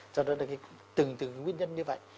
cho nên là từng từng nguyên nhân như vậy